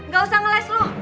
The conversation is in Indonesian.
gak usah ngeles lu